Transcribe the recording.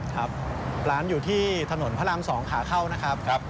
ครับร้านอยู่ที่ถนนพระราม๒ขาเข้านะครับ